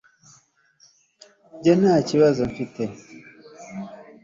jye ntakibazo mfite